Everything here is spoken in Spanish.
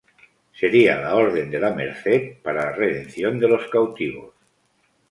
Sería la Orden de la Merced para la redención de los cautivos.